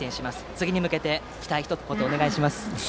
次に向けて期待をひと言、お願いします。